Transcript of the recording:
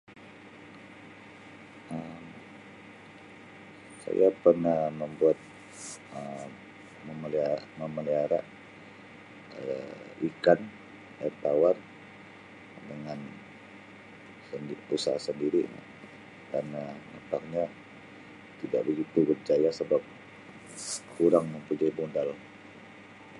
Um Saya pernah membuat Um memeliha-memelihara Um ikan air tawar dengan sendi usaha sendiri dan Um nampaknya tidak begitu berjaya sebab kurang mempunyai modal.